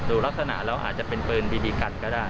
ดูลักษณะแล้วอาจจะเป็นปืนบีบีกันก็ได้